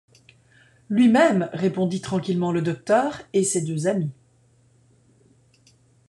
Lui-même, répondit tranquillement le docteur, et ses deux amis.